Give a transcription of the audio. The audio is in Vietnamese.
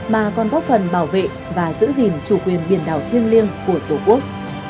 mà còn bóp phần bảo vệ và giữ gìn chủ quyền biển đảo thiên liêng của tổ quốc